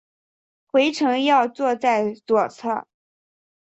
回程要坐在左侧